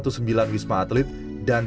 untuk penjemputan di wisma atlet kemayoran